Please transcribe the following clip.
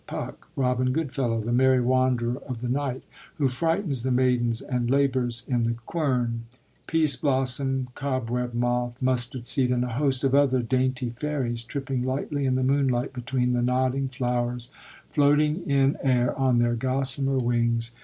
Puck, Robin Goodfellow, the merry wanderer of the night, who frightens the maidens, and labors in the quern; Peaseblossom, Cob web, Moth, Mustardsecd, and a host of other dainty fairies, tripping lightly in the moonlight between the nodding flowers, floating in air on their gossamer wings 1 The Fourth Period flowers.